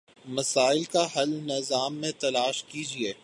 مسائل کا حل نظام میں تلاش کیجیے۔